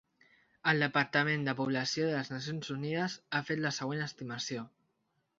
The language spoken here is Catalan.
El Departament de Població de les Nacions Unides ha fet la següent estimació.